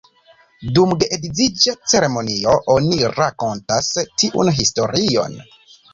Dum geedziĝa ceremonio, oni rakontas tiun historion.